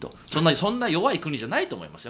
そんな弱い国じゃないと思いますよ。